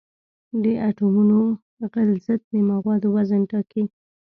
د اټومونو غلظت د موادو وزن ټاکي.